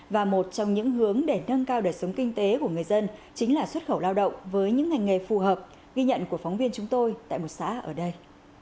và một trong những hướng để nâng cao đời sống kinh tế của người dân chính là xuất khẩu lao động với những ngành nghề phù hợp ghi nhận của phóng viên chúng tôi tại một xã ở đây